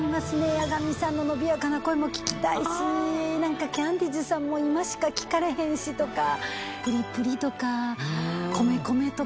八神さんの伸びやかな声も聴きたいしなんかキャンディーズさんも今しか聴かれへんしとかプリプリとか米米とかも。